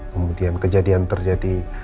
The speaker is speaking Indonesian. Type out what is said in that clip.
kemudian kejadian terjadi